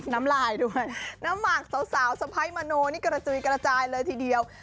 นี่ก็จะวิการจ่ายเลยทีเดียว